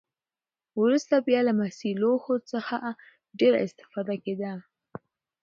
وروسته بیا له مسي لوښو څخه ډېره استفاده کېدله.